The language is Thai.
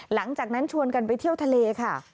หลังจากนั้นชวนกันไปเที่ยวทะเลค่ะ